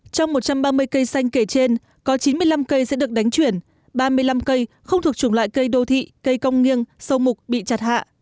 trong một trăm ba mươi cây xanh kể trên có chín mươi năm cây sẽ được đánh chuyển ba mươi năm cây không thuộc chủng loại cây đô thị cây công nghiêng sâu mục bị chặt hạ